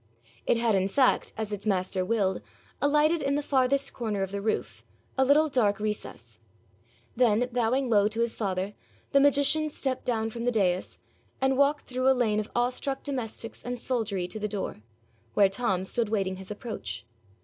It had in fact, as its master willed, alighted in the farthest corner of the roof, a little dark recess. Then, bowing low to his father, the magician stepped down from the dais, and walked through a lane of awe struck domestics and soldiery to the door, where Tom stood waiting his approach.